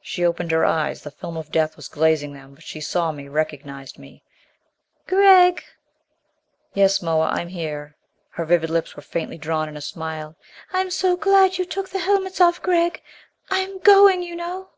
She opened her eyes. The film of death was glazing them. But she saw me, recognized me. "Gregg " "Yes, Moa. I'm here." Her vivid lips were faintly drawn in a smile. "I'm so glad you took the helmets off, Gregg. I'm going you know."